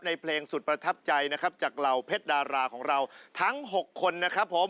เพลงสุดประทับใจนะครับจากเหล่าเพชรดาราของเราทั้ง๖คนนะครับผม